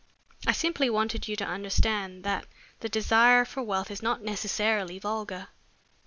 I simply wanted you to understand that the desire for wealth is not necessarily vulgar."